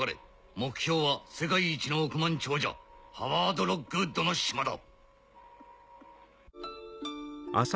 目標は世界一の億万長者ハワード・ロックウッドの島だ。